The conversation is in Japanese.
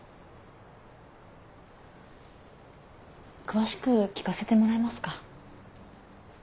詳しく聞かせてもらえますか？